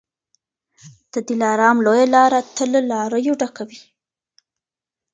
د دلارام لویه لاره تل له لاریو ډکه وي.